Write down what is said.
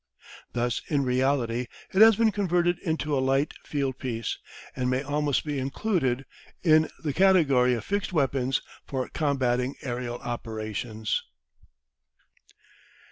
Thus, in reality, it has been converted into a light field piece, and may almost be included in the category of fixed weapons for combating aerial operations.